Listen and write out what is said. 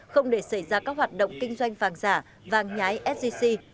không để xảy ra các hoạt động kinh doanh vàng giả vàng nhái sgc